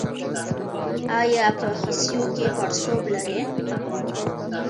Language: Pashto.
ایا په خصیو کې پړسوب لرئ؟